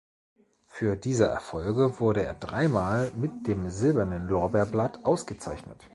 Für diese Erfolge wurde er dreimal mit dem Silbernen Lorbeerblatt ausgezeichnet.